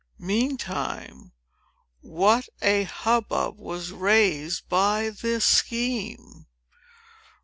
Meantime, what a hubbub was raised by this scheme!